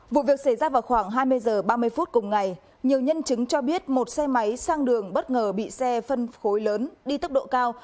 vụ việc xảy ra vào khoảng hai mươi h ba mươi phút cùng ngày nhiều nhân chứng cho biết một xe máy sang đường bất ngờ bị xe phân khối lớn đi tốc độ cao